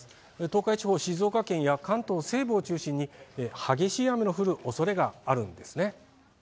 東海地方、静岡県や関東西部を中心に激しい雨の降るおそれがあるんですね。